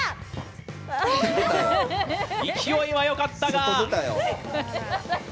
勢いはよかったが。